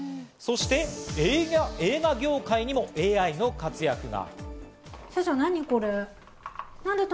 そして映画業界にもＡＩの活躍が。